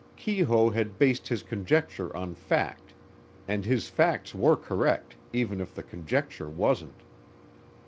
Keyhoe had based his conjecture on fact, and his facts were correct, even if the conjecture wasn't.